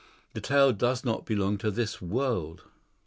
The tale does not belong to this world."